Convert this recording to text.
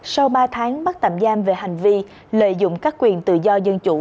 sau ba tháng bắt tạm giam về hành vi lợi dụng các quyền tự do dân chủ